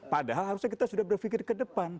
padahal harusnya kita sudah berpikir ke depan